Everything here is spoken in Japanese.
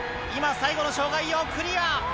今最後の障害をクリア！